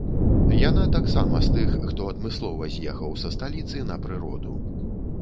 Яна таксама з тых, хто адмыслова з'ехаў са сталіцы на прыроду.